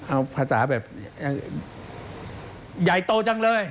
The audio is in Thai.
เอาภาษาแบบใหญ่โตจังเลย